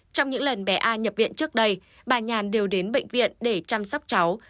trong những lần bé a nhập viện trước đây bà nhàn đều đến bệnh viện để chăm sóc cháu